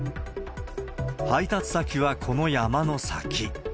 配達先は、この山の先。